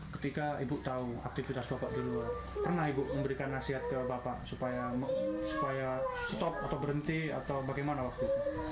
ketika ibu tahu aktivitas bapak di luar pernah ibu memberikan nasihat ke bapak supaya stop atau berhenti atau bagaimana waktu